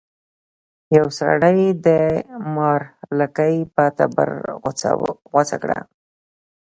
یو سړي د مار لکۍ په تبر غوڅه کړه.